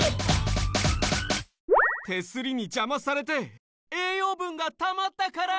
手すりにじゃまされて栄養ぶんがたまったから！